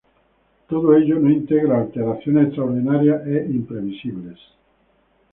Todo ello no integra alteraciones extraordinarias e imprevisibles.